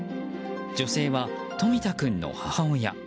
女性は冨田君の母親。